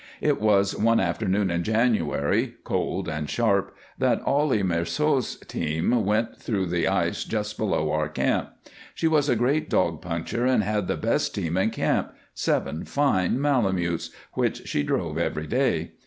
It was one afternoon in January, cold and sharp, that Ollie Marceau's team went through the ice just below our camp. She was a great dog puncher and had the best team in camp seven fine malamoots which she drove every day.